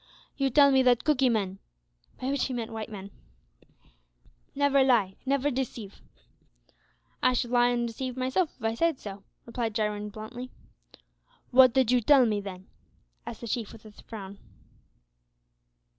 "You tell me that Cookee men" (by which he meant white men) "never lie, never deceive." "I shud lie an' deceive myself, if I said so," replied Jarwin, bluntly. "What did you tell me, then?" asked the Chief, with a frown.